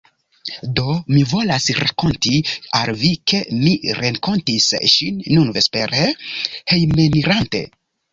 Do mi volas rakonti al Vi, ke mi renkontis ŝin nun vespere, hejmenirante.